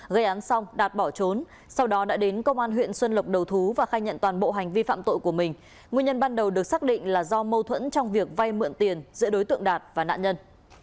gây án xong đạt bỏ trốn sau đó đã đến công an huyện xuân lộc đầu thú và khai nhận toàn bộ hành vi phạm tội của mình nguyên nhân ban đầu được xác định là do mâu thuẫn trong việc vay mượn tiền giữa đối tượng đạt và nạn nhân